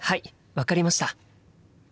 分かりました。